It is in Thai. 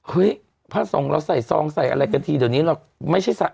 เฮ้ยถ้าสงฆ์เราใส่ซองใส่อะไรกันทีเดี๋ยวนี้เรา